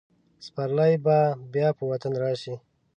سپرلی به بیا په وطن راشي.